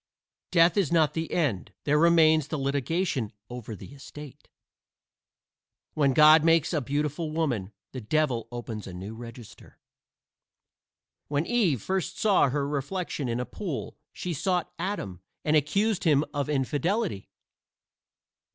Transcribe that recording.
Death is not the end; there remains the litigation over the estate. When God makes a beautiful woman, the devil opens a new register. When Eve first saw her reflection in a pool, she sought Adam and accused him of infidelity.